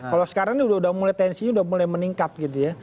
kalau sekarang ini udah mulai tensinya udah mulai meningkat gitu ya